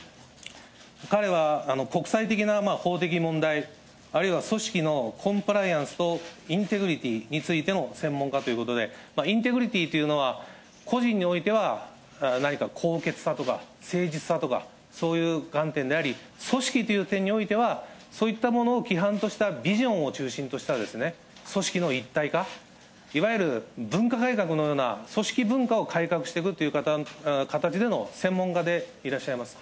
彼は国際的な法的問題、あるいは組織のコンプライアンスとインテグリティについての専門家ということで、インテグリティというのは、個人においては何か高潔さだとか、誠実さとか、そういう観点であり、組織という点においては、そういったものを規範としたビジョンを中心とした組織の一体化、いわゆる文化改革のような組織文化を改革していくという形での専門家でいらっしゃいます。